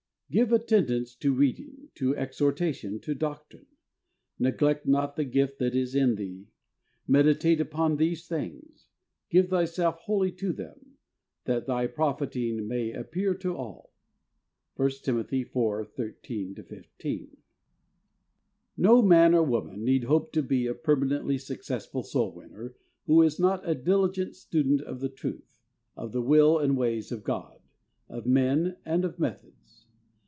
"Give attendance to reading, to exhortation, to doctrine. Neglect not the gift that is in thee. Meditate upon these things; give thyself wholly to them; that thy profiting may appear to all." (1 Tim. 4: 13 15.) No man or woman need hope to be a per manently successful soul winner who is not a diligent student of the truth, of the will and ways of God, of men, and of methods.